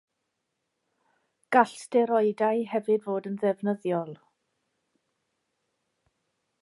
Gall steroidau hefyd fod yn ddefnyddiol.